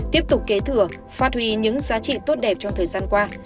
tiếp tục kế thừa phát huy những giá trị tốt đẹp trong thời gian qua